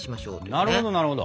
なるほどなるほど。